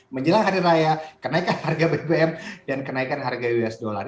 menjelang hari raya kenaikan harga bbm dan kenaikan harga usd